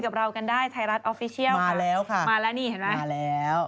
กับเรากันได้ไทยรัฐออฟฟิเชียลมาแล้วค่ะมาแล้วนี่เห็นไหมมาแล้ว